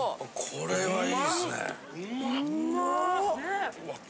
これはいいっすね。